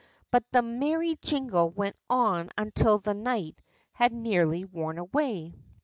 But the merry jingle went on until the night had nearly worn away.